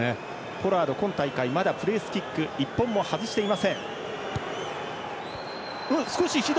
ポラード、今大会まだプレースキック１本も外していません。